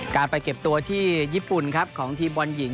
การไปเก็บตัวที่ญี่ปุ่นครับของทีมบอลหญิง